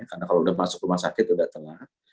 karena kalau sudah masuk rumah sakit sudah telat